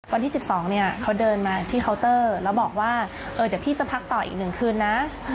วันที่๑๒เนี่ยเขาเดินมาที่เคาน์เตอร์แล้วบอกว่าเดี๋ยวพี่จะพักต่ออีก๑คืนนะ